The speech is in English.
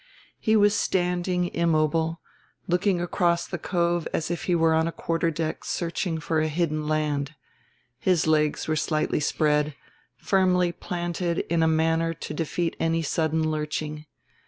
He was standing immobile, looking across the Cove as if he were on a quarter deck searching for a hidden land. His legs were slightly spread, firmly planted in a manner to defeat any sudden lurching.